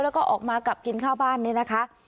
แล้วก็ออกมากลับกินข้าวบ้านเนี่ยนะคะ